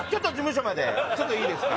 ちょっといいですか？